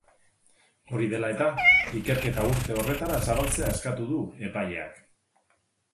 Hori dela eta, ikerketa urte horretara zabaltzea eskatu du epaileak.